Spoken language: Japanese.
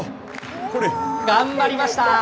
頑張りました。